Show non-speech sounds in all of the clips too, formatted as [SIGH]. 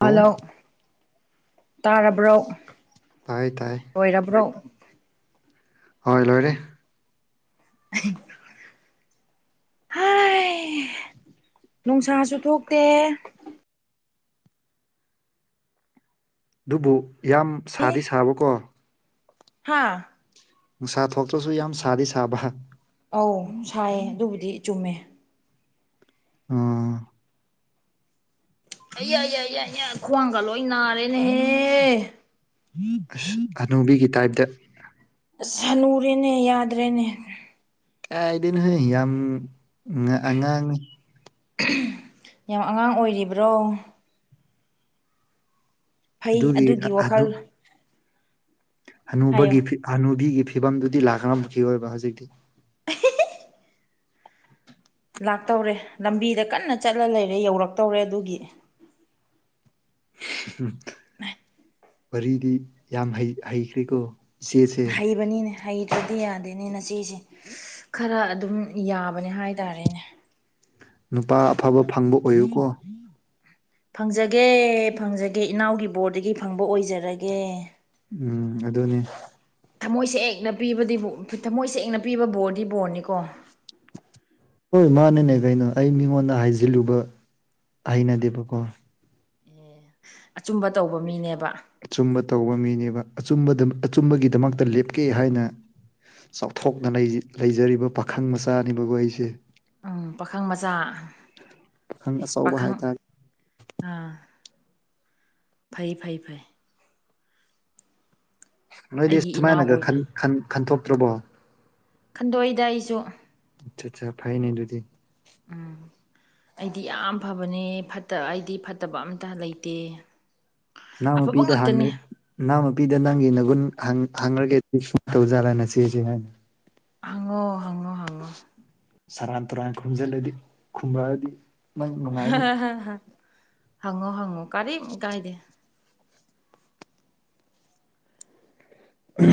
Hello ꯇꯥꯔꯕ꯭ꯔꯣ ꯇꯥꯏ ꯇꯥꯏ ꯑꯣꯏꯔꯕ꯭ꯔꯣ ꯍꯣꯏ ꯂꯣꯏꯔꯦ ꯍ ꯅꯨꯡꯁꯥꯁꯨ ꯊꯣꯛꯇꯦ ꯑꯗꯨꯕꯨ ꯌꯥꯝ ꯁꯥꯗꯤ ꯁꯥꯕꯀꯣ ꯍꯥꯥ ꯅꯨꯡꯁꯥ ꯊꯣꯛꯇ꯭ꯔꯁꯨ ꯌꯥꯝ ꯁꯥꯗꯤ ꯁꯥꯕ ꯑꯧ ꯁꯥꯏꯌꯦ ꯑꯗꯨꯕꯨꯗꯤ ꯆꯨꯝꯃꯦ ꯎꯝ ꯑꯩ ꯌꯥꯏ ꯌꯥꯏ ꯌꯥꯏ ꯌꯥꯏ ꯈ꯭ꯋꯥꯡꯒ ꯂꯣꯏ ꯅꯥꯔꯦꯅꯦꯍꯦ ꯑꯁ ꯍꯥꯅꯨꯕꯤꯒꯤ ꯇꯥꯏꯞꯇ ꯑꯁ ꯅꯨꯔꯦꯅꯦ ꯌꯥꯗ꯭ꯔꯦꯅꯦ ꯀꯥꯏꯗꯅꯣꯍꯣꯏ ꯌꯥꯝ ꯑꯉꯥꯡꯅꯤ ꯌꯥꯝ ꯑꯉꯥꯡ ꯑꯣꯏꯔꯤꯕ꯭ꯔꯣ ꯐꯩ ꯑꯗꯨꯒꯤ ꯋꯥꯈꯜ ꯍꯥꯏꯌꯣ ꯑꯅꯨꯕꯒꯤ ꯍꯅꯨꯕꯤꯒꯤ ꯐꯤꯕꯝꯗꯨꯗꯤ ꯂꯥꯛꯀꯈꯤ ꯑꯣꯏꯕ ꯍꯧꯖꯤꯛꯇꯤ ꯂꯥꯛꯇꯧꯔꯦ ꯂꯝꯕꯤꯗ ꯀꯟꯅ ꯆꯠꯂ ꯂꯩꯔꯦ ꯌꯧꯔꯛꯇꯧꯔꯦ ꯑꯗꯨꯒꯤ ꯋꯥꯔꯤꯗꯤ ꯌꯥꯝ ꯍꯩꯈ꯭ꯔꯦꯀꯣ ꯏꯆꯦꯁꯦ ꯍꯩꯕꯅꯤꯅꯦ ꯍꯩꯇ꯭ꯔꯗꯤ ꯌꯥꯗꯦꯅꯦꯅꯆꯦꯁꯦ ꯈꯔ ꯑꯗꯨꯝ ꯌꯥꯕꯅꯦ ꯍꯥꯏꯇꯥꯔꯦꯅꯦ ꯅꯨꯄꯥ ꯑꯐꯕ ꯐꯪꯕ ꯑꯣꯏꯌꯨꯀꯣ ꯐꯪꯖꯒꯦ ꯐꯪꯖꯒꯦ ꯏꯅꯥꯎꯒꯤ ꯕꯣꯔꯗꯒꯤ ꯐꯪꯕ ꯑꯣꯏꯖꯔꯒꯦ ꯎꯝ ꯑꯗꯨꯅꯦ ꯊꯃꯣꯏꯁꯦꯡꯅ ꯄꯤꯕꯗꯤ ꯊꯃꯣꯏꯁꯦꯑꯦꯡ ꯄꯤꯕꯗꯤ ꯕꯣꯔꯗꯤ ꯕꯣꯔꯅꯤꯀꯣ ꯍꯣꯏ ꯃꯥꯅꯅꯦ ꯀꯩꯅꯣ ꯑꯩ ꯃꯤꯉꯣꯟꯗ ꯍꯥꯏꯖꯤꯜꯂꯨꯕ ꯍꯩꯅꯗꯦꯕꯀꯣ ꯑꯆꯨꯝꯕ ꯇꯧꯕ ꯃꯤꯅꯦꯕ ꯑꯆꯨꯝꯕ ꯇꯧꯕ ꯃꯤꯅꯦꯕ ꯑꯆꯨꯝꯕꯒꯤꯗꯃꯛꯇ ꯂꯦꯞꯀꯦ ꯍꯥꯏꯅ ꯆꯥꯎꯊꯣꯛꯇꯅ ꯂꯩꯖꯔꯤꯕ ꯄꯥꯈꯪ ꯃꯆꯥꯅꯤꯕꯕꯨ ꯑꯩꯁꯦ ꯎꯝ ꯄꯥꯈꯪ ꯃꯆꯥ ꯄꯥꯈꯪ ꯑꯆꯧꯕ ꯄꯥꯈꯪ ꯍꯥꯏꯇꯥꯔꯦ ꯑꯥ ꯐꯩ ꯐꯩ ꯐꯩ ꯅꯣꯏꯗꯤ ꯑꯩꯒꯤ ꯏꯅꯥꯎ ꯁꯨꯃꯥꯏꯅꯒ ꯑꯣꯏꯅ ꯈꯟꯈꯟ ꯊꯣꯛꯇ꯭ꯔꯕꯣ ꯈꯟꯗꯣꯛꯏꯗ ꯑꯩꯁꯨ ꯑ ꯑꯆꯥ ꯐꯥꯏꯅꯦ ꯑꯗꯨꯤꯗꯤ ꯎꯝ ꯑꯩꯗꯤ ꯌꯥꯝ ꯐꯕꯅꯦ ꯐꯠꯇ ꯑꯩꯗꯤ ꯐꯠꯇꯕ ꯑꯝꯇ ꯂꯩꯇꯦ ꯅꯪꯅ ꯑꯐꯕ ꯄꯤꯗ ꯍꯥꯡꯉ ꯉꯥꯛꯇꯅꯤ ꯏꯅꯥꯎ ꯅꯪꯒꯤ ꯅꯒꯨꯟ ꯍꯥꯡꯉꯒꯦ ꯁ ꯇꯧꯖꯥꯠꯂꯅ ꯆꯦꯁꯦ ꯍꯥꯏꯅꯤ ꯍꯪꯉꯣ ꯍꯪꯉꯣ ꯍꯪꯉꯣ ꯁꯔꯥꯟ ꯇꯨꯔꯥꯟ ꯈꯨꯝꯖꯤꯜꯂꯗꯤ ꯈꯨꯝꯃꯛꯑꯗꯤ ꯅꯪ ꯍ ꯅꯨꯡꯉꯥꯏꯅꯤ ꯍ ꯍꯪꯉꯣ ꯍꯪꯉꯣ ꯀꯔꯤ ꯀꯥꯏꯗꯦ ꯑ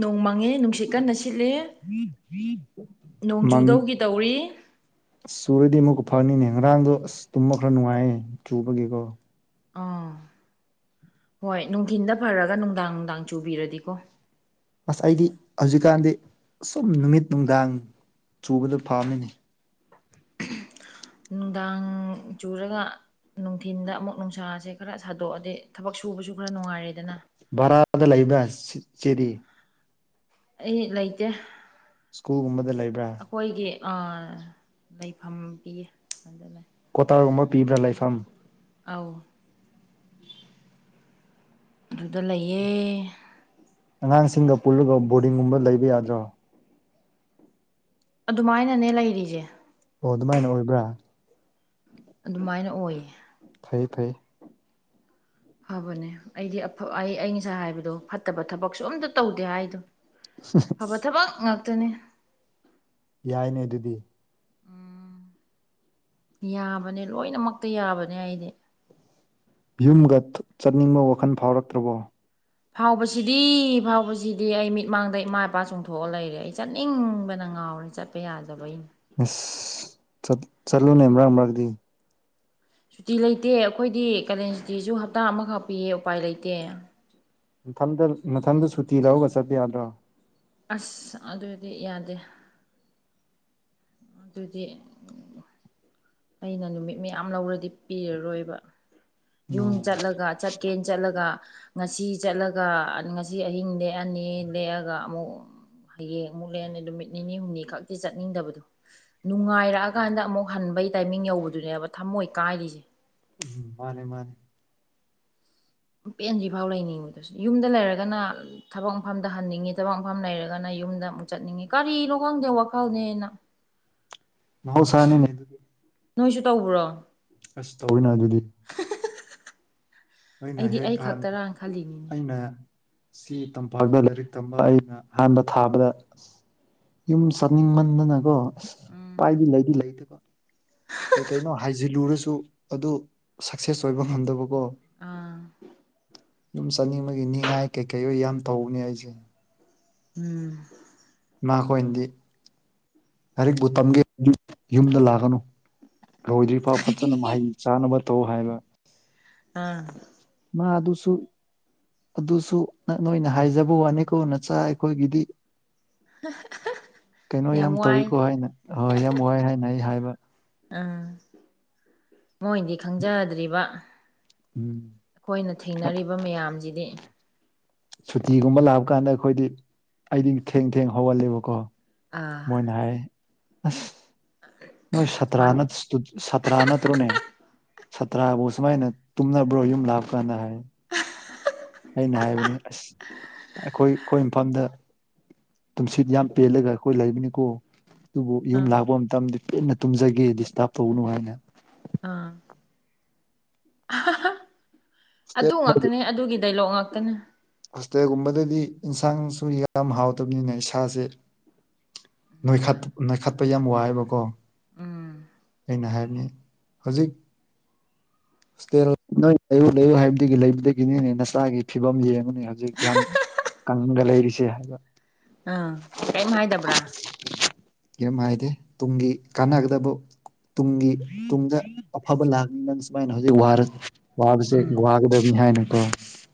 ꯅꯣꯡ ꯃꯥꯡꯉꯦ ꯅꯨꯡꯁꯤꯠ ꯀꯟꯅ ꯁꯤꯠꯂ ꯅꯣꯡꯖꯨꯗꯧꯒꯤ ꯇꯧꯔꯤ ꯑꯁ ꯆꯨꯔꯗꯤ ꯑꯃꯨꯛꯀ ꯐꯅꯤꯅꯦ ꯉꯔꯥꯡꯗꯣ ꯑꯁ ꯇꯨꯝꯕ ꯈꯔ ꯅꯨꯡꯉꯥꯏꯌꯦ ꯆꯨꯕꯒꯤꯀꯣ ꯑꯥ ꯍꯣꯏ ꯅꯨꯡꯊꯤꯟꯗ ꯐꯔꯒ ꯅꯨꯡꯗꯥꯡ ꯅꯨꯡꯗꯥꯡ ꯆꯨꯕꯤꯔꯗꯤꯀꯣ ꯑꯁ ꯑꯩꯗꯤ ꯍꯧꯖꯤꯛꯀꯥꯟꯗꯤ ꯁꯨꯝ ꯅꯨꯃꯤꯠ ꯅꯨꯡꯗꯥꯡ ꯆꯨꯕꯗꯣ ꯐꯥꯝꯃꯤꯅꯤ ꯅꯨꯡꯗꯥꯡ ꯆꯨꯔꯒ ꯅꯨꯡꯊꯤꯟꯗ ꯑꯃꯨꯛ ꯅꯨꯡꯁꯥꯁꯦ ꯈꯔ ꯁꯥꯗꯣꯛꯑꯗꯤ ꯊꯕꯛ ꯁꯨꯕꯁꯨ ꯈꯔ ꯅꯨꯡꯉꯥꯏꯔꯦꯗꯅ ꯚꯔꯥꯗ ꯂꯩꯕ ꯆꯦꯔꯤ ꯑꯩ ꯂꯩꯇꯦ ꯁ꯭ꯀꯨꯜꯒꯨꯝꯕꯗ ꯂꯩꯕ꯭ꯔꯥ ꯑꯩꯈꯣꯏꯒꯤ ꯂꯩꯐꯝ ꯄꯤꯌꯦ ꯑꯗꯨꯅ ꯀꯣꯇꯥꯔꯒꯨꯝꯕ ꯄꯤꯕ꯭ꯔꯥ ꯂꯩꯐꯝ ꯑꯥꯎ ꯑꯗꯨꯗ ꯂꯩꯌꯦ ꯑꯉꯥꯡꯁꯤꯡꯒ ꯄꯨꯜꯂꯒ ꯕꯣꯔꯗꯤꯡꯒꯨꯝꯕ ꯂꯩꯕ ꯌꯥꯗ꯭ꯔꯣ ꯑꯗꯨꯃꯥꯏꯅꯅꯦ ꯂꯩꯔꯤꯁꯦ ꯑꯣ ꯑꯗꯨꯃꯥꯏꯅ ꯑꯣꯏꯕ꯭ꯔꯥ ꯑꯗꯨꯃꯥꯏꯅ ꯑꯣꯏꯌꯦ ꯐꯩ ꯐꯥꯏ ꯐꯕꯅꯦ ꯑꯩꯗꯤꯐ ꯑꯩ ꯑ ꯉꯁꯥ ꯍꯥꯏꯕꯗꯣ ꯐꯠꯇꯕ ꯊꯕꯛꯁꯨ ꯑꯝꯇ ꯇꯧꯗꯦ ꯍꯥꯏꯗꯣ ꯐꯕ ꯊꯕꯛ ꯉꯥꯛꯇꯅꯤ ꯌꯥꯏꯅꯦ ꯑꯗꯨꯗꯤ ꯌꯥꯕꯅꯦ ꯂꯣꯏꯅꯃꯛꯇ ꯌꯥꯕꯅꯦ ꯑꯩꯗꯤ ꯌꯨꯝꯒ ꯆꯠꯅꯤꯡꯕ ꯋꯥꯈꯜ ꯐꯥꯎꯔꯛꯇ꯭ꯔꯕꯣ ꯐꯥꯎꯕꯁꯤꯗꯤ ꯐꯥꯎꯕꯁꯤꯗꯤ ꯑꯩ ꯃꯤꯠꯃꯥꯡꯗ ꯏꯃꯥ ꯏꯄꯥ ꯆꯣꯡꯊꯣꯛꯑ ꯂꯩꯔꯦ ꯑꯩ ꯆꯠꯅꯤꯡꯕꯅ ꯉꯥꯎꯔꯦ ꯆꯠ ꯆꯤꯄ ꯌꯥꯗꯕꯒꯤꯅꯤ ꯑꯁ ꯆꯠꯂꯨꯅꯦ ꯃꯔꯛ ꯃꯔꯛꯇꯗꯤ ꯁꯨꯇꯤ ꯂꯩꯇꯦ ꯑꯩꯈꯣꯏꯗꯤ ꯀꯥꯂꯦꯟ ꯁꯨꯇꯤꯁꯨ ꯍꯞꯇꯥ ꯑꯃꯈꯛ ꯄꯤꯌꯦ ꯎꯄꯥꯏ ꯂꯩꯇꯦ ꯃꯊꯟꯗ ꯃꯊꯟꯗ ꯁꯨꯇꯤ ꯂꯧꯔꯒ ꯆꯠꯄ ꯌꯥꯗ꯭ꯔꯣ ꯑꯁ ꯑꯗꯨꯗꯤ ꯌꯥꯗꯦ ꯑꯗꯨꯗꯤ ꯑꯩꯅ ꯅꯨꯃꯤꯠ ꯃꯌꯥꯝ ꯂꯧꯔꯗꯤ ꯄꯤꯔꯔꯣꯏꯕ ꯌꯨꯝ ꯎꯝ ꯆꯠꯂꯒ ꯆꯠꯀꯦꯅ ꯆꯠꯂꯒ ꯉꯁꯤ ꯆꯠꯂꯒ ꯉꯁꯤ ꯑꯍꯤꯡ ꯂꯦꯛꯑꯅꯤ ꯂꯦꯛꯑꯒ ꯑꯃꯨꯛ ꯍꯌꯦꯡ ꯑꯃꯨꯛꯂꯦꯅꯦ ꯅꯨꯃꯤꯠ ꯅꯤꯅꯤ ꯍꯨꯝꯅꯤ ꯈꯛꯇꯤ ꯆꯠꯅꯤꯡꯗꯕꯗꯣ ꯅꯨꯡꯉꯥꯏꯔꯛꯑꯀꯥꯟꯗ ꯑꯃꯨꯛ ꯍꯟꯕꯩ ꯇꯥꯏꯃꯤꯡ ꯌꯧꯕꯗꯨꯅꯦꯕ ꯊꯝꯃꯣꯏ ꯀꯥꯏꯔꯤꯁꯦ ꯃꯥꯅꯦ ꯃꯥꯅꯦ ꯄꯦꯟꯗ꯭ꯔꯤꯐꯥꯎ ꯂꯩꯅꯤꯡꯕꯗꯁꯨ ꯌꯨꯝꯗ ꯂꯩꯔꯒꯅ ꯊꯕꯛ ꯃꯐꯝꯗ ꯍꯟꯅꯤꯡꯉꯤ ꯊꯕꯛ ꯃꯐꯝ ꯂꯩꯔꯒꯅ ꯌꯨꯝꯗ ꯑꯃꯨꯛ ꯆꯠꯅꯤꯡꯉꯤ ꯀꯔꯤꯅꯣ ꯈꯪꯗꯦ ꯋꯥꯈꯜꯅꯦꯅ [INAUDIBLE] ꯃꯧꯁꯥꯅꯤ ꯃ ꯅꯣꯏꯁꯨ ꯇꯧꯕ꯭ꯔꯣ ꯑꯁ ꯇꯧꯅ ꯑꯗꯨꯗꯤ ꯑꯩꯗꯤ ꯑꯩ ꯈꯛꯇꯔꯥꯅ ꯈꯜꯂꯤꯅꯤꯅꯦ ꯑ ꯁꯤ ꯇꯝꯄꯥꯛꯇ ꯂꯥꯏꯔꯤꯛ ꯇꯝꯕ ꯑꯩꯅ ꯑꯍꯥꯟꯕ ꯊꯥꯕꯗ ꯌꯨꯝ ꯆꯥꯅꯤꯡꯃꯟꯗꯅꯀꯣ ꯑꯁ ꯎꯝ ꯄꯥꯏꯗꯤ ꯂꯩꯗꯤ ꯂꯩꯇꯕ [INAUDIBLE] ꯀꯩ ꯀꯩꯅꯣ ꯍꯥꯏꯖꯤꯜꯂꯨꯔꯁꯨ ꯑꯗꯨ ꯁꯛꯁꯦꯁ ꯑꯣꯏꯕ ꯉꯝꯗꯕꯀꯣ ꯑꯥ ꯌꯨꯝ ꯆꯠꯅꯤꯡꯕꯒꯤ ꯅꯤꯡꯉꯥꯏ ꯀꯩꯀꯩ ꯑꯣꯏ ꯌꯥꯝ ꯇꯧꯕꯅꯦ ꯑꯩꯁꯦ ꯎꯝ ꯃꯈꯈꯣꯏꯅꯗꯤ ꯀꯔꯤꯛꯕꯨꯨ ꯇꯝꯒꯦ ꯌꯨꯝꯗ ꯂꯥꯛꯒꯅꯨ꯫ ꯂꯣꯏꯗ꯭ꯔꯤꯐꯥꯎ ꯐꯖꯅ ꯃꯍꯩ ꯆꯥꯅꯕ ꯇꯧ ꯍꯥꯏꯕ꯫ ꯑꯥ ꯃꯥ ꯑꯗꯨꯁꯨ ꯑꯗꯨꯁꯨ ꯅꯣꯏꯅ ꯍꯥꯏꯖꯕ ꯋꯥꯅꯤꯀꯣ ꯅꯆꯥ ꯑꯩꯈꯣꯏꯒꯤꯗꯤ꯫ ꯀꯩꯅꯣ ꯌꯥꯝ ꯇꯧꯋꯤꯀꯣ ꯍꯥꯏꯅ ꯍꯣꯏ ꯌꯥꯝ ꯋꯥꯏ ꯍꯥꯏꯅ ꯑꯩ ꯍꯥꯏꯕ ꯎꯝ ꯃꯣꯏꯗꯤ ꯈꯪꯖꯗ꯭ꯔꯤꯕ꯫ ꯎꯝ ꯑꯩꯈꯣꯏꯅ ꯊꯦꯡꯅꯔꯤꯕ ꯃꯌꯥꯝꯁꯤꯗꯤ꯫ ꯁꯨꯇꯤꯒꯨꯝꯕ ꯂꯥꯛꯄ ꯀꯥꯟꯗ ꯑꯩꯈꯣꯏꯗꯤ ꯑꯩꯗꯤ ꯊꯦꯡ ꯊꯦꯡ ꯍꯧꯍꯂꯦꯕꯀꯣ꯫ ꯑꯥ ꯍꯣꯏ ꯅꯣꯏ ꯁꯇ꯭ꯔꯥ ꯁꯨꯃꯥꯏ ꯅꯠꯇ ꯁꯥꯇ꯭ꯔꯥ ꯅꯠꯇ꯭ꯔꯣꯅꯦ ꯁꯥꯇ꯭ꯔꯕꯨ ꯁꯨꯃꯥꯏꯅ ꯇꯨꯝꯅꯕ꯭ꯔꯣ ꯌꯨꯝ ꯂꯥꯞꯀꯥꯟꯗ ꯍꯥꯏ꯫ ꯑꯩꯅ ꯍꯥꯏꯕꯅꯤ ꯑꯁ ꯑꯩꯈꯣꯏ ꯑꯩꯈꯣꯏ ꯃꯐꯝꯗ ꯇꯨꯝꯁꯤꯠ ꯌꯥꯝ ꯄꯦꯜꯂꯒ ꯑꯩꯈꯣꯏ ꯂꯩꯕꯅꯤꯀꯣ ꯑꯗꯨꯕꯨ ꯌꯨꯝ ꯑꯥ ꯂꯥꯛꯄ ꯃꯇꯝꯗ ꯄꯦꯟꯅ ꯇꯨꯝꯖꯒꯦ ꯗꯤꯁꯇꯥꯔꯕ ꯇꯧꯅꯨ ꯍꯥꯏꯅ꯫ ꯎꯝ ꯑꯗꯨ ꯉꯥꯛꯇꯅꯦ ꯑꯗꯨꯒꯤ ꯗꯥꯏꯂꯣꯛ ꯉꯥꯛꯇꯅꯦ꯫ ꯍꯣꯁꯇꯦꯜꯒꯨꯝꯕꯗꯗꯤ ꯏꯟꯁꯥꯡꯁꯨ ꯌꯥꯝ ꯍꯥꯎꯇꯕꯅꯤꯅ ꯏꯁꯥꯁꯦ꯫ ꯅꯣꯏꯈꯠ ꯍꯣꯏ ꯅꯣꯏꯈꯠꯄ ꯌꯥꯝ ꯋꯥꯑꯦꯕꯀꯣ ꯎꯝ ꯑꯩꯅ ꯍꯥꯏꯕꯅꯤ ꯍꯧꯖꯤꯛ ꯏꯁꯇ ꯅꯣꯏ ꯂꯩꯌꯨ ꯂꯩꯌꯨ ꯍꯥꯏꯕꯗꯒꯤ ꯂꯩꯕꯗꯒꯤꯅꯤꯅꯦ ꯅꯆꯥꯒꯤ ꯐꯤꯕꯝ ꯌꯦꯡꯉꯨꯅꯦ ꯍꯧꯖꯤꯛ ꯌꯥꯝ ꯀꯡꯗ ꯂꯩꯔꯤꯁꯦ ꯍꯥꯏꯕ꯫ ꯑꯥ ꯀꯔꯤꯝ ꯍꯥꯏꯗꯕ꯭ꯔꯥ꯫ ꯀꯤꯝ ꯍꯥꯏꯗꯦ ꯇꯨꯡꯒꯤ ꯀꯥꯟꯅꯒꯗꯕ ꯇꯨꯡꯒꯤ ꯇꯨꯡꯗ ꯑꯐꯕ ꯂꯥꯛꯅꯤ ꯅꯪ ꯁꯨꯃꯥꯏꯅ ꯍꯧꯖꯤꯛ ꯋꯥꯔꯦ ꯎꯝ ꯋꯥꯁ ꯒꯗꯃꯤ ꯍꯥꯏ ꯅꯠꯇꯣ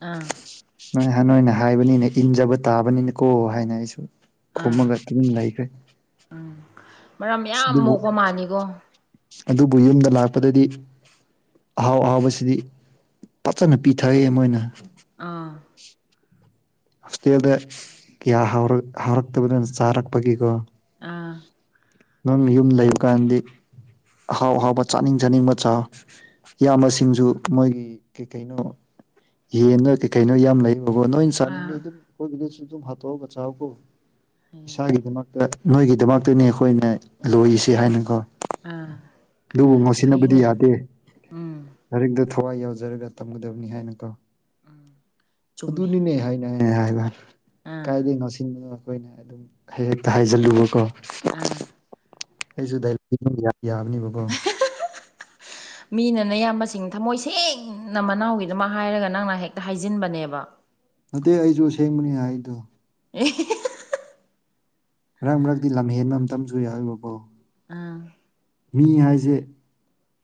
ꯑꯥ ꯅꯣꯏꯥꯟ ꯅꯣꯏꯅ ꯍꯥꯏꯕꯅꯤꯅ ꯏꯟꯖꯕ ꯇꯥꯕꯅꯤꯅꯀꯣ ꯍꯥꯏꯅ ꯑꯩꯁꯨ ꯈꯨꯝꯃꯒ ꯑꯗꯨꯝ ꯂꯩꯈ꯭ꯔꯦ ꯎꯝ ꯃꯔꯝ ꯑꯁ ꯌꯥꯝ ꯑꯗꯨꯕꯨ ꯃꯣꯛꯄ ꯃꯥꯅꯤꯀꯣ꯫ ꯑꯗꯨꯕꯨ ꯌꯨꯝꯗ ꯂꯥꯛꯄꯗꯗꯤ꯫ ꯑꯍꯥꯎ ꯑꯍꯥꯎꯕꯁꯤꯗꯤ ꯐꯖꯅ ꯄꯤꯊꯩ ꯃꯣꯏꯅ꯫ ꯑꯥ ꯍꯣꯁꯇꯦꯜꯗ ꯀꯌꯥ ꯍꯥꯎꯔꯛꯇꯕꯗꯅ ꯆꯥꯔꯛꯄꯒꯤꯀꯣ꯫ ꯑꯥ ꯅꯪ ꯌꯨꯝ ꯂꯩꯕ ꯀꯥꯟꯗꯤ ꯑꯍꯥꯎ ꯑꯍꯥꯎꯕ ꯆꯥꯅꯤꯡ ꯆꯥꯅꯤꯡꯕ ꯆꯥꯎ꯫ ꯏꯌꯥꯝꯕꯁꯤꯡꯁꯨ ꯃꯣꯏꯒꯤ ꯀꯩ ꯀꯩꯅꯣ ꯌꯦꯟ ꯅꯣꯏ ꯀꯩ ꯀꯩꯅꯣ ꯌꯥꯝ ꯂꯩꯕꯣ ꯅꯣꯏ ꯁꯥꯅꯤꯡꯉꯤ ꯑꯥ ꯑꯗꯨꯝ ꯑꯩꯈꯣꯏꯕꯗꯁꯨ ꯑꯗꯨꯝ ꯍꯥꯠꯇꯣꯛꯑꯒ ꯆꯥꯛꯀꯣ ꯐꯩ ꯏꯁꯥꯒꯤꯗꯃꯛꯇ ꯅꯣꯏꯒꯤꯗꯃꯛꯇꯅꯤ ꯑꯩꯈꯣꯏꯅ ꯂꯣꯏꯔꯤꯁꯤ ꯍꯥꯏꯅ ꯀꯣ꯫ ꯑꯥ ꯑꯗꯨꯕꯨ ꯉꯣꯁꯤꯟꯅꯕꯨꯗꯤ ꯐꯩꯅꯦ ꯌꯥꯗꯦ꯫ ꯎꯝ ꯂꯔꯤꯛꯇ ꯊꯋꯥꯏ ꯌꯥꯎꯖꯔꯒ ꯇꯝꯒꯗꯕꯅꯤ ꯍꯥꯏꯅꯀꯣ ꯎꯝ ꯆꯨꯝꯃꯦ ꯑꯗꯨꯅꯤꯅꯦ ꯍꯥꯏ ꯍꯥꯏꯕ ꯑꯥ ꯀꯥꯏꯗꯩ ꯉꯣꯁꯤꯟꯕꯅꯣ ꯑꯩꯈꯣꯏꯅ ꯑꯗꯨꯝ ꯍ ꯍꯦꯛꯇ ꯍꯥꯏꯖꯤꯜꯂꯨꯕꯀꯣ ꯑꯝ ꯑꯩꯁꯨ ꯗꯥꯏ ꯌꯥꯕꯅꯦꯕꯀꯣ ꯍ [UNINTELLIGIBLE] ꯃꯤꯅ ꯅꯌꯥꯝꯕꯁꯤꯡ ꯊꯃꯣꯏ ꯁꯦꯡꯅ ꯃꯅꯥꯎꯒꯤꯗꯃꯛ ꯍꯥꯏꯔꯒ ꯅꯪꯅ ꯍꯦꯛꯇ ꯍꯥꯏꯖꯤꯟꯕꯅꯦꯕ꯫ ꯅꯠꯇꯦ ꯑꯩꯁꯨꯁꯦꯡꯕꯅꯤ ꯍꯥꯏꯗꯣ꯫ ꯑꯦ ꯃꯔꯛ ꯃꯔꯛꯇꯤ ꯂꯝꯍꯦꯟꯕ ꯑꯃꯝꯇꯁꯨ ꯌꯥꯎꯔꯤꯕ ꯀꯣ꯫ ꯑꯥ ꯃꯤ ꯍꯥꯏꯁꯦ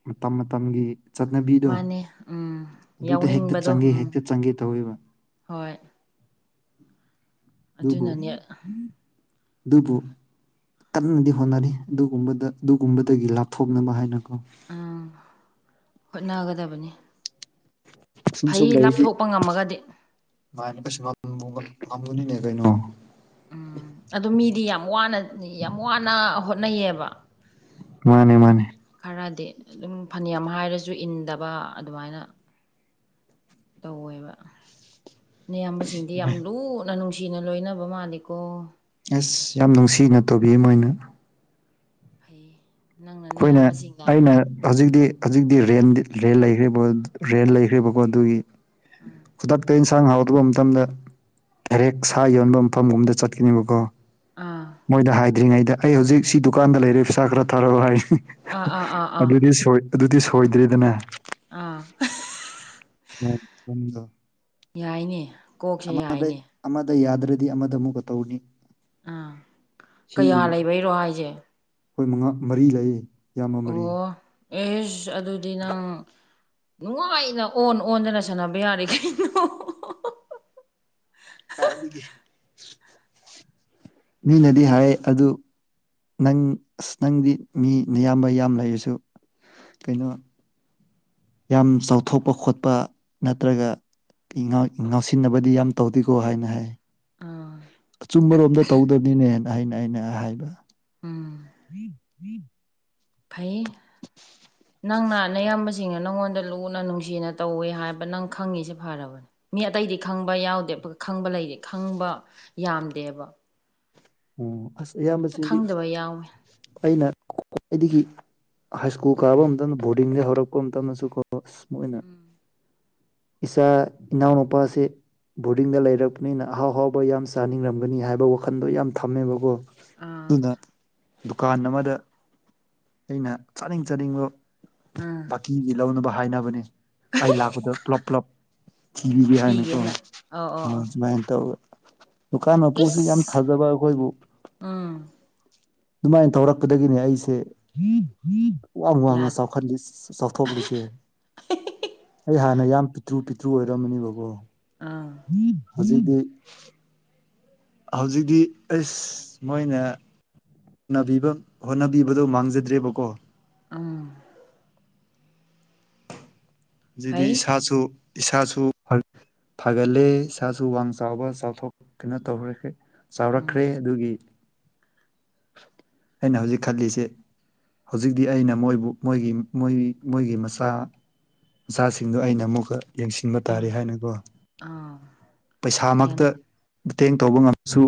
ꯃꯇꯝ ꯃꯇꯝꯒꯤ ꯆꯠꯅꯕꯤꯗꯣ ꯃꯥꯅꯦ ꯎꯝ ꯑꯗꯨꯗ ꯍꯦꯛꯇ ꯌꯥꯎꯅꯤꯡꯕꯗꯣ ꯆꯪꯒꯦ ꯎꯝ ꯍꯦꯛꯇ ꯆꯪꯒꯦ ꯇꯧꯋꯦꯕ ꯍꯣꯏ ꯕꯨ ꯑꯗꯨꯅꯅꯦ ꯄ ꯀꯟꯅꯗꯤ ꯍꯣꯠꯅꯔꯤ ꯑꯗꯨꯒꯨꯝꯕꯗ ꯑꯗꯨꯒꯨꯝꯕꯗꯒꯤ ꯂꯥꯞꯊꯣꯛꯅꯕ ꯍꯥꯏꯅꯀꯣ ꯎꯝ ꯍꯣꯠꯅꯒꯗꯕꯅꯤ ꯁꯨꯝ ꯁꯨꯝ ꯐꯩ ꯂꯩꯔꯤꯗꯤ ꯂꯥꯞꯊꯣꯛꯄ ꯉꯝꯃꯒꯗꯤ ꯃꯥꯥꯏꯅ ꯀꯩꯁꯨ ꯉꯝꯃꯨꯅꯤꯅꯦ ꯀꯩꯅꯣ ꯎꯝ ꯑꯗꯨ ꯃꯤꯗꯤ ꯌꯥꯝꯅ ꯌꯥꯝ ꯋꯥꯅ ꯍꯣꯠꯅꯩꯌꯦꯕ ꯃꯥꯅꯦ ꯃꯥꯅꯦ ꯈꯔꯗꯤ ꯑꯗꯨꯝ ꯐꯅꯦꯛ ꯑꯃ ꯍꯥꯏꯔꯁꯨ ꯏꯟꯗꯕ ꯑꯗꯨꯃꯥꯏꯅ ꯇꯧꯋꯦꯕ ꯑꯌꯥꯝꯕꯁꯤꯡꯗꯤ ꯌꯥꯝ ꯂꯨ ꯅ ꯅꯨꯡꯁꯤꯅ ꯂꯣꯏꯅꯕ ꯃꯥꯜꯂꯤꯀꯣ ꯑꯁ ꯌꯥꯝ ꯅꯨꯡꯁꯤꯅ ꯇꯧꯕꯤ ꯃꯣꯏꯅ ꯐꯩ ꯅꯪꯅ ꯑꯩꯈꯣꯏꯅ ꯅꯌꯥꯝꯕꯁꯤꯡꯅ ꯑꯩꯅ ꯍꯧꯖꯤꯛꯇꯤ ꯍꯧꯖꯤꯛꯇꯤ ꯔꯦꯟꯗꯤ ꯔꯦꯟ ꯂꯩꯈ꯭ ꯔꯦꯟ ꯂꯩꯈ꯭ꯔꯤꯕꯀꯣ ꯑꯗꯨꯒꯤ ꯈꯨꯗꯛꯇ ꯏꯟ ꯍꯤꯡꯖꯥꯡ ꯍꯥꯎꯇꯕ ꯃꯇꯝꯗ ꯗꯥꯏꯔꯦꯛ ꯁꯥ ꯌꯣꯟꯕ ꯃꯐꯝꯒꯨꯝꯗ ꯆꯠꯀꯅꯦꯕꯀꯣ ꯑꯥ ꯃꯣꯏꯗ ꯍꯥꯏꯗ꯭ꯔꯤꯉꯩꯗ ꯑꯩ ꯍꯧꯖꯤꯛ ꯁꯤ ꯗꯨꯀꯥꯟꯗ ꯂꯩꯔꯦ ꯄꯩꯁꯥ ꯈꯔ ꯊꯥꯔꯛꯑꯣ ꯍꯥꯏꯔꯤ ꯑꯥ ꯑꯥ ꯑꯥ ꯑꯥ ꯑꯗꯨꯗꯤ ꯁꯣꯏ ꯑꯗꯨꯗꯤ ꯁꯣꯏꯗ꯭ꯔꯦꯗꯅ ꯑꯥ [UNINTELLIGIBLE] ꯌꯥꯏꯅꯦ ꯀꯣꯛꯁꯦ ꯑꯃꯗ ꯌꯥꯏꯅꯦ ꯑꯃꯗ ꯌꯥꯗ꯭ꯔꯗꯤ ꯑꯃꯗ ꯑꯃꯨꯛꯀ ꯇꯧꯅꯤ ꯑꯥ ꯀꯌꯥ ꯂꯩꯕꯩꯔꯣ ꯍꯥꯏꯁꯦ ꯍꯣꯏ ꯃꯉꯥ ꯃꯔꯤ ꯂꯩꯌꯦ ꯏꯌꯥꯝꯕ ꯃꯔꯤ ꯑꯣ ꯑꯦꯁ ꯑꯗꯨꯗꯤ ꯅꯪ ꯅꯨꯡꯉꯥꯏꯅ ꯑꯣꯟ ꯑꯣꯟꯗꯅ ꯁꯥꯟꯅꯕ ꯌꯥꯔꯦ ꯀꯩꯅꯣ ꯃꯤꯅꯗꯤ ꯍꯥꯏ ꯑꯗꯨ ꯅꯪ ꯑꯁ ꯅꯪꯗꯤ ꯃꯤ ꯅꯌꯥꯝꯕ ꯌꯥꯝ ꯂꯩꯔꯁꯨ ꯀꯩꯅꯣ ꯌꯥꯝ ꯆꯥꯎꯊꯣꯛꯄ ꯈꯣꯠꯄ ꯅꯠꯇ꯭ꯔꯒ ꯉꯥꯎꯁꯤꯟꯅꯕꯗꯤ ꯌꯥꯝ ꯇꯧꯗꯦꯀꯣ ꯍꯥꯏꯅ ꯍꯥꯏ ꯑꯥ ꯑꯆꯨꯝꯕꯔꯣꯝꯗ ꯇꯧꯗꯕꯅꯤꯅꯦꯅ ꯍꯥꯏꯅ ꯑꯩꯅ ꯍꯥꯏꯕ ꯎꯝ [INAUDIBLE] ꯐꯩꯌꯦ ꯅꯪꯅ ꯅꯌꯥꯝꯕ ꯁꯤꯡꯅ ꯅꯪꯉꯣꯟꯗ ꯂꯨꯅ ꯅꯨꯡꯁꯤꯅ ꯇꯧꯋꯦ ꯍꯥꯏꯕ ꯅꯪ ꯈꯪꯉꯤꯁꯦ ꯐꯔꯕꯅꯦ ꯃꯤ ꯑꯇꯩꯗꯤ ꯈꯪꯕ ꯌꯥꯎꯗꯦ ꯈꯪꯕ ꯂꯩꯔꯤ ꯈꯪꯕ ꯌꯥꯝꯗꯦꯕ ꯑꯣ ꯑꯁ ꯑꯌꯥꯝꯕꯁꯤꯗꯤ ꯈꯪꯗꯕ ꯌꯥꯎꯋꯦ ꯑꯩꯅ ꯋꯥꯗꯒꯤ ꯍꯥꯏ ꯁ꯭ꯀꯨꯜ ꯀꯥꯕ ꯃꯇꯝ ꯕꯣꯔꯗꯤꯡꯗ ꯍꯧꯔꯛꯄ ꯃꯇꯝꯗꯁꯨꯀꯣ ꯅꯣꯏꯅ ꯎꯝ ꯏꯁꯥ ꯏꯅꯥꯎ-ꯅꯨꯄꯥꯁꯦ ꯕꯣꯔꯗꯤꯡꯗ ꯂꯩꯔꯛꯄꯅꯤꯅ ꯑꯍꯥꯎ ꯑꯍꯥꯎꯕ ꯌꯥꯝ ꯆꯥꯅꯤꯡꯔꯝꯒꯅꯤ ꯍꯥꯏꯕ ꯋꯥꯈꯟꯗꯣ ꯌꯥꯝ ꯊꯝꯃꯦꯕꯀꯣ ꯑꯥ ꯑꯗꯨꯅ ꯗꯨꯀꯥꯟ ꯑꯃꯗ ꯑꯩꯅ ꯆꯥꯅꯤꯡ ꯆꯥꯅꯤꯡꯕ ꯎꯝ ꯑꯩꯒꯤ ꯂꯧꯅꯕ ꯍꯥꯏꯅꯕꯅꯦ ꯑꯩ ꯂꯥꯛꯄꯗ ꯄꯨꯂꯞ ꯄꯨꯂꯞ ꯊꯤꯕꯤꯒꯦ ꯍꯥꯏꯅꯀꯣ ꯄꯤꯒꯦꯅ ꯑꯧ ꯑꯧ ꯍꯥꯏ ꯑꯧ ꯁꯨꯃꯥꯏꯅ ꯇꯧꯑꯦ ꯗꯨꯀꯥꯟ ꯃꯄꯨꯁꯤ ꯌꯥꯝ ꯊꯥꯖꯕ ꯑꯩꯈꯣꯏꯕꯨ ꯑꯝ ꯑꯗꯨꯃꯥꯏꯅ ꯇꯧꯔꯛꯄꯗꯒꯤꯅꯦ ꯑꯩꯁꯦ ꯋꯥꯡ ꯋꯥꯡꯅ ꯌꯥꯗꯦ ꯆꯥꯎꯈꯠꯂꯤ ꯆꯥꯎꯊꯣꯛꯂꯤꯁꯦ ꯑꯩ ꯍꯥꯟꯅ ꯌꯥꯝ ꯄꯤꯛꯇ꯭ꯔꯨ ꯄꯤꯛꯇ꯭ꯔꯨ ꯑꯣꯏꯔꯝꯕꯅꯦꯕꯀꯣ ꯑꯥ ꯍꯧꯖꯤꯛꯇꯤ ꯍꯧꯖꯤꯛꯇꯤ ꯑꯩꯁ ꯃꯣꯏꯅ ꯅꯕꯤꯕ ꯍꯣꯠꯅꯕꯤꯕꯗꯣ ꯃꯥꯡꯖꯗ꯭ꯔꯦꯕꯀꯣ ꯑꯝ ꯍꯧꯖꯤꯛꯗꯤ ꯐꯩ ꯏꯁꯥꯁꯨ ꯏꯁꯥꯁꯨ ꯐꯒꯠꯂꯦ ꯏꯁꯥꯁꯨ ꯋꯥꯡ ꯆꯥꯎꯕ ꯆꯥꯎꯊꯣꯛ ꯀꯩꯅꯣ ꯇꯧꯔꯦ ꯎꯝ ꯆꯥꯎꯔꯛꯈ꯭ꯔꯦ ꯑꯗꯨꯒꯤ ꯑꯩꯅ ꯍꯧꯖꯤꯛ ꯈꯜꯂꯤꯁꯦ ꯍꯧꯖꯤꯛꯇꯤ ꯑꯩꯅ ꯃꯣꯏꯕꯨ ꯃꯣꯏꯒꯤ ꯃꯣꯏ ꯃꯣꯏꯒꯤ ꯃꯆꯥ ꯃꯆꯥꯁꯤꯡꯗꯨ ꯑꯩꯅ ꯑꯃꯨꯛꯀ ꯌꯦꯡꯁꯤꯟꯕ ꯇꯥꯔꯦ ꯍꯥꯏꯅꯀꯣ ꯑꯥ ꯒ꯭ꯌꯥꯟ ꯄꯩꯁꯥꯃꯛꯇ ꯃꯇꯦꯡ ꯇꯧꯕ ꯉꯝꯁꯨ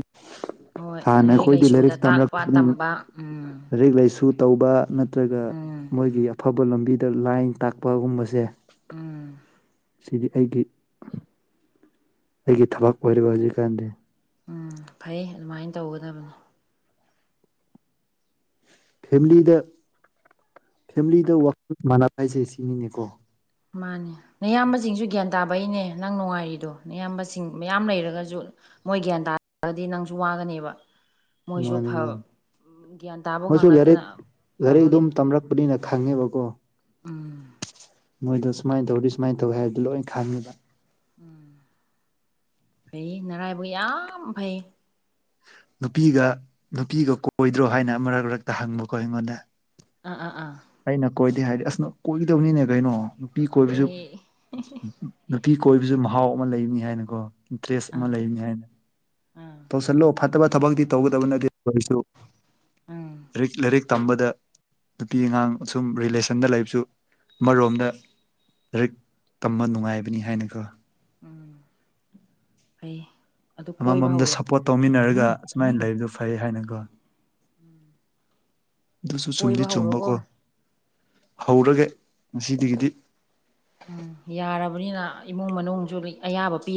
ꯍꯣꯏ ꯍꯥꯅ ꯑꯩꯈꯣꯏꯗꯤ ꯂꯥꯏꯁꯨꯗ ꯂꯥꯏꯔꯤꯛ ꯇꯥꯛꯄ ꯇꯝꯔꯛꯄꯅꯤꯅꯥ ꯇꯝꯕ ꯎꯝ ꯂꯥꯏꯔꯤꯛ ꯂꯩꯁꯨ ꯇꯧꯕ ꯅꯠꯇ꯭ꯔꯒ ꯎꯝ ꯃꯣꯏꯒꯤ ꯑꯐꯕ ꯂꯝꯕꯤꯗ ꯂꯥꯏꯟ ꯇꯥꯛꯄꯒꯨꯝꯕꯁꯦ ꯎꯝ ꯁꯤꯗꯤ ꯑꯩꯒꯤ ꯑꯩꯒꯤ ꯊꯕꯛ ꯑꯣꯏꯔꯦꯕ ꯍꯧꯖꯤꯛꯀꯥꯟꯗꯤ ꯎꯝ ꯐꯩꯑꯦ ꯑꯗꯨꯃꯥꯏ ꯇꯧꯒꯗꯕꯅꯤ ꯐꯦꯃꯤꯂꯤꯗ ꯐꯦꯃꯤꯂꯤꯗ ꯋꯥꯈꯜ ꯃꯥꯟꯅꯕ ꯍꯥꯏꯁꯦ ꯁꯤꯅꯤꯅꯦꯀꯣ ꯃꯥꯅꯤ ꯑꯌꯥꯝꯕꯁꯤꯡꯁꯨ ꯒ꯭ꯌꯥꯟ ꯇꯥꯕꯩꯅꯦ ꯅꯪ ꯅꯨꯡꯉꯥꯏꯔꯤꯗꯣ ꯑꯌꯥꯝꯕꯁꯤꯡ ꯃꯌꯥꯝ ꯂꯩꯔꯒꯁꯨ ꯃꯣꯏ ꯒ꯭ꯌꯥꯟ ꯇꯥꯔꯗꯤ ꯅꯪꯁꯨ ꯋꯥꯒꯅꯦꯕ ꯃꯣꯏꯁꯨ ꯃꯥꯅꯤ ꯐ ꯎ ꯃꯥꯅꯤ ꯒ꯭ꯌꯥꯟ ꯇꯥꯕ ꯈꯛ ꯃꯣꯏꯁꯨ ꯅꯠꯇꯅ ꯂꯥꯏꯔꯤꯛ ꯂꯥꯏꯔꯤꯛ ꯑꯗꯨꯝ ꯐꯕꯒꯤꯅꯤ ꯇꯝꯔꯛꯄꯅꯤꯅ ꯈꯪꯉꯦꯕꯀꯣ ꯎꯝ ꯃꯣꯏꯗꯣ ꯁꯨꯃꯥꯏ ꯇꯧꯗꯤ ꯁꯨꯃꯥꯏ ꯇꯧꯋꯤ ꯍꯥꯏꯕꯗꯣ ꯂꯣꯏ ꯈꯪꯉꯤꯕ ꯎꯝ ꯐꯩꯑꯦ ꯅꯔꯥꯏꯕꯛ ꯌꯥꯝ ꯐꯩ ꯅꯨꯄꯤꯒ ꯅꯨꯄꯤꯒ ꯀꯣꯏꯗ꯭ꯔꯣ ꯍꯥꯏꯅ ꯃꯔꯛ ꯃꯔꯛꯇ ꯍꯪꯕꯀꯣ ꯑꯩꯉꯣꯟꯗ ꯑꯥ ꯑꯥ ꯑꯥ ꯑꯩꯅ ꯀꯣꯏꯗꯦ ꯍꯥꯏꯗꯤ ꯑꯁꯅ ꯀꯣꯏꯒꯗꯕꯅꯤꯅꯦ ꯀꯩꯅꯣ ꯅꯨꯄꯤ ꯀꯣꯏꯕꯁꯨ ꯑꯩ ꯅꯨꯄꯤ ꯀꯣꯏꯕꯁꯨ ꯃꯍꯥꯎ ꯑꯃ ꯂꯩꯕꯅꯤ ꯍꯥꯏꯅꯀꯣ ꯏꯟꯇꯔꯦꯁ ꯑꯃ ꯑꯥ ꯂꯩꯅꯤ ꯍꯥꯏꯅ ꯑꯥ ꯇꯧꯁꯤꯜꯂꯣ ꯐꯠꯇꯕ ꯊꯕꯛꯇꯤ ꯇꯧꯒꯗꯕ ꯅꯠꯇꯦ ꯀꯁꯨ ꯎꯝ ꯔꯤꯛ ꯂꯥꯏꯔꯤꯛ ꯇꯝꯕꯗ ꯅꯨꯄꯤ ꯑꯉꯥꯡ ꯁꯨꯝ ꯔꯤꯂꯦꯁꯟꯗ ꯂꯩꯕꯁꯨ ꯑꯃꯔꯣꯝꯗ ꯂꯥꯔꯤꯛ ꯇꯝꯕ ꯅꯨꯡꯉꯥꯏꯕꯅꯤ ꯍꯥꯏꯅꯀꯣ ꯎꯝ ꯐꯩ ꯑꯗꯨ ꯀꯣꯏꯕ ꯑꯃꯃꯝꯗ ꯍꯧꯔꯣ ꯁꯞꯄꯣꯔꯠ ꯇꯧꯃꯤꯟꯅꯔꯒ ꯁꯨꯃꯥꯏ ꯂꯩꯕꯗꯨ ꯐꯩ ꯍꯥꯏꯅꯀꯣ ꯎꯝ ꯑꯗꯨꯁꯨ ꯆꯨꯝꯗꯤ ꯆꯨꯝꯕꯀꯣ ꯍꯧꯔꯒꯦ ꯉꯁꯤꯗꯒꯤꯗꯤ ꯎꯝ ꯌꯥꯔꯕꯅꯤꯅ ꯏꯃꯨꯡ ꯃꯅꯨꯡꯁꯨ ꯑꯌꯥꯕ ꯄꯤ